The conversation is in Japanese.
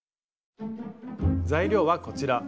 材料はこちら。